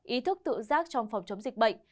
ý thức tự giác trong phòng chống dịch bệnh